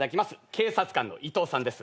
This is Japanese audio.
警察官の伊藤さんです。